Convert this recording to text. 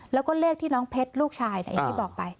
แล้วก็เลขที่น้องเพชรลูกชายอย่างที่บอกไป